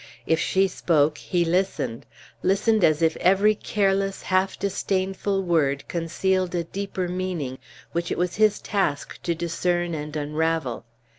If she spoke, he listened listened as if every careless, half disdainful word concealed a deeper meaning, which it was his task to discern and unravel.